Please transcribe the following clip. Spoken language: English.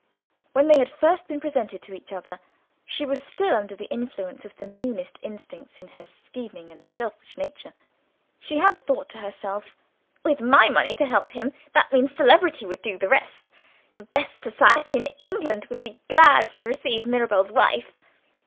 When they had first been presented to each other, she was still under the influence of the meanest instincts in her scheming and selfish nature. She had thought to herself, "With my money to help him, that man's celebrity would do the rest; the best society in England would be glad to receive Mirabel's wife."